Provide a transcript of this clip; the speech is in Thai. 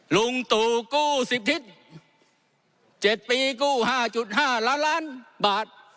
ลุงตูกู้สิบทิศเจ็ดปีกู้ห้าจุดห้าล้านล้านบาท